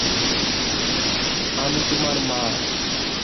আমি তোমার মা!